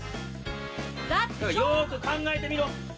よく考えて見ろ！